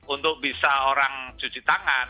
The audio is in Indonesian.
untuk bisa orang cuci tangan